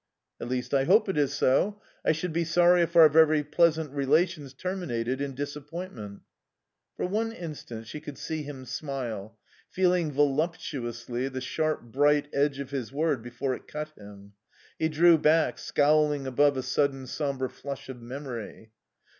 "'At least I hope it is so. I should be sorry if our very pleasant relations terminated in disappointment '" For one instant she could see him smile, feeling voluptuously the sharp, bright edge of his word before it cut him. He drew back, scowling above a sudden sombre flush of memory.